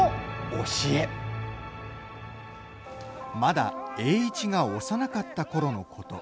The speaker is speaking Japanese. まだ栄一が幼かったころのこと。